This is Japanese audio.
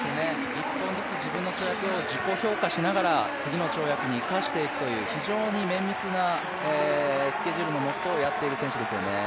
１本ずつ自分の跳躍を自己評価しながら次の跳躍に生かしていくという非常に綿密なスケジュールのもとやっている選手ですよね。